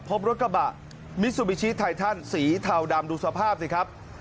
พบรถกระบะมิซูบิชิไททันสีเทาดำดูสภาพสิครับ